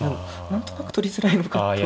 何となく取りづらいのかと。